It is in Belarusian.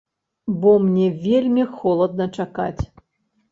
Бо мне вельмі холадна чакаць.